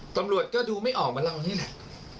ตำรวจก็ดูไม่ออกมาแล้วนี่แหละ